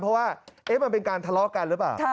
เพราะว่ามันเป็นการทะเลาะกันหรือเปล่า